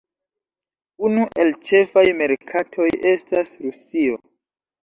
Unu el ĉefaj merkatoj estas Rusio.